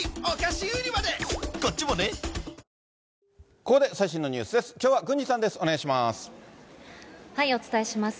ここで最新のニュースです。